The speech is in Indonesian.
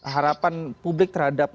harapan publik terhadap